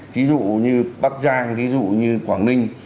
ví dụ như bắc giang ví dụ như quảng ninh